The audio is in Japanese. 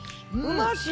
うまし。